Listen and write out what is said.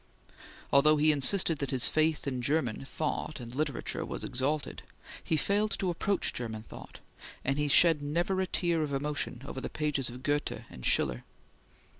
Although he insisted that his faith in German thought and literature was exalted, he failed to approach German thought, and he shed never a tear of emotion over the pages of Goethe and Schiller.